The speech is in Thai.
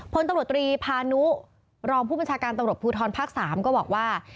พลตำรวจตรีพานุรองผู้บัญชาการตำรวจภูทรภาค๓ก็บอกว่า